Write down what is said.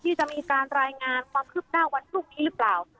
จะมีการรายงานความคืบหน้าวันพรุ่งนี้หรือเปล่า